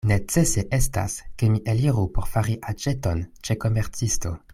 Necese estas, ke mi eliru por fari aĉeton ĉe komercisto.